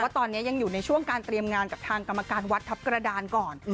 ตอนนี้ยังอยู่ในช่วงการเตรียมงานกับทางกรรมการวัดทัพกระดานก่อน